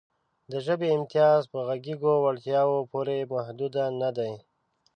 د ژبې امتیاز په غږیزو وړتیاوو پورې محدود نهدی.